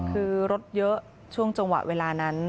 คือรถเยอะช่วงจังหวะเวลานั้น